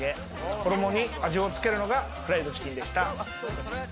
衣に味をつけるのがフライドチキンでした。